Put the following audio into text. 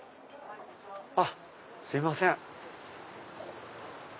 あっすいません。